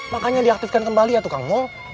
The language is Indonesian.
makanya diaktifkan kembali ya tukang mall